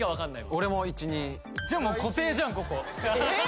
俺も１２じゃあもう固定じゃんここええ！？